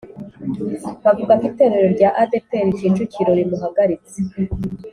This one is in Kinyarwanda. bavugako itorero rya adepr kicukiro rimuhagaritse